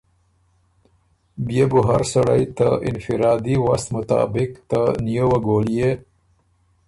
بيې بُو هر سړئ ته انفرادي وست مطابق ته نیووه ګولئے